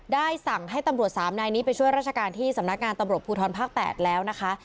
ได้สั่งให้ตำรวจ๓นายนี้ไปช่วยราชการที่สำนักงานตำรวจภูทรภาค๘แล้วนะคะ